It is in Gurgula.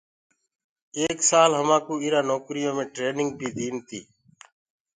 ايڪ سآل همآنٚ ڪوٚ اِرا نوڪريٚ يو مي ٽرينيٚنگ بيٚ ديٚن